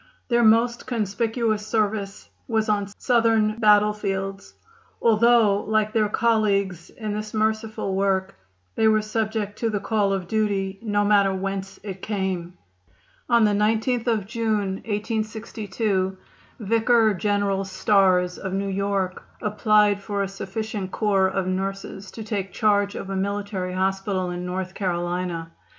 Their most conspicuous service was on Southern battlefields, although, like their colleagues in this merciful work, they were subject to the call of duty no matter whence it came. On the 19th of June, 1862, Vicar General Starrs, of New York, applied for a sufficient corps of nurses to take charge of a military hospital in North Carolina.